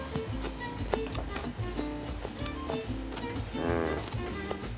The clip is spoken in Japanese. うん。